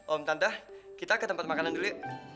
om tante kita ke tempat makanan dulu